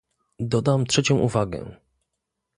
Dodam trzecią uwagę